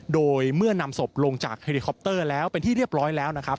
โดยเมื่อนำศพลงจากเฮลิคอปเตอร์แล้วเป็นที่เรียบร้อยแล้วนะครับ